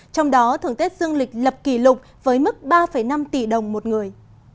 trong đó thưởng tết dương lịch lập kỷ lục với mức ba năm tỷ đồng một người